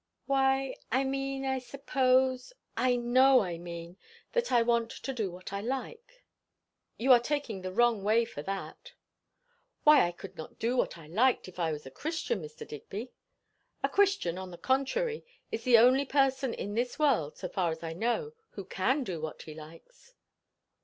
'" "Why I mean, I suppose, I know I mean, that I want to do what I like." "You are taking the wrong way for that." "Why, I could not do what I liked if I was a Christian, Mr. Digby?" "A Christian, on the contrary, is the only person in this world, so far as I know, who can do what he likes."